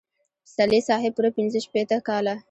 پسرلي صاحب پوره پنځه شپېته کاله.